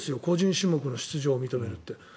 個人種目の出場を認めるって。